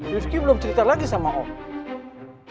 rizky belum cerita lagi sama om